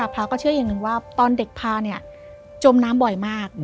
พระก็เชื่ออย่างหนึ่งว่าตอนเด็กพาจมน้ำบ่อยมาก